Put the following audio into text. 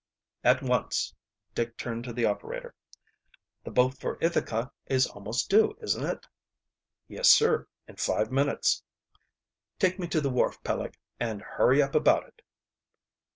"At once." Dick turned to the operator. "The boat for Ithaca is almost due, isn't it?" "Yes, sir, in five minutes." "Take me to the wharf, Peleg, and hurry up about it."